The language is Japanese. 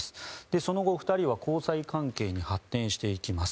その後、２人は交際関係に発展していきます。